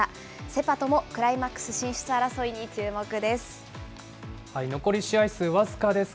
セ・パとも、クライマックス進出争いに注目です。